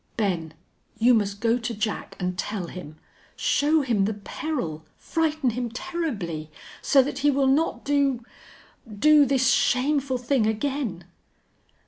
"Ben, you must go to Jack an' tell him show him the peril frighten him terribly so that he will not do do this shameful thing again."